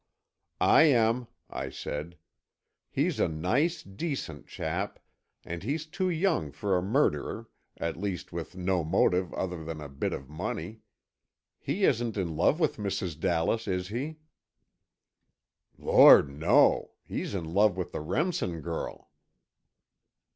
"I am," I said. "He's a nice, decent chap, and he's too young for a murderer, at least, with no motive other than a bit of money. He isn't in love with Mrs. Dallas, is he?" "Lord, no. He's in love with the Remsen girl."